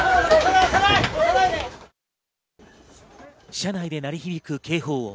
車内で鳴り響く警報。